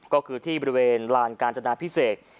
ก็คือที่บริเวณลานกาญจนาพิเศษ